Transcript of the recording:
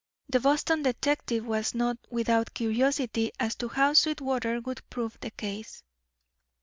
The Boston detective was not without curiosity as to how Sweetwater would prove the case.